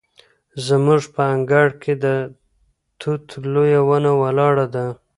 زموږ په انګړ کې د توت لویه ونه ولاړه ده.